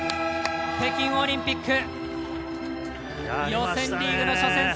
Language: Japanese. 北京オリンピック予選リーグの初戦